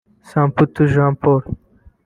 Samputu Jean Paul